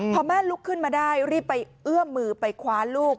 พอแม่ลุกขึ้นมาได้รีบไปเอื้อมมือไปคว้าลูก